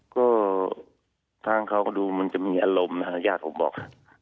ก็ทางเขาก็ดูมันจะมีอารมณ์นะฮะญาติผมบอก